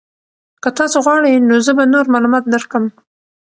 که تاسو غواړئ نو زه به نور معلومات درکړم.